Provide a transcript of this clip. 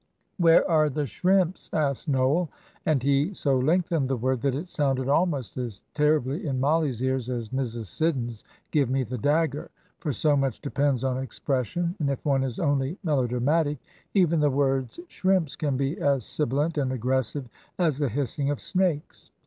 "Where are the shrimps?" asked Noel, and he so lengthened the word that it sounded almost as terribly in Mollie's ears as Mrs. Siddons' "Give me the dagger!" for so much depends on expression, and if one is only melodramatic, even the words "shrimps" can be as sibilant and aggressive as the hissing of snakes.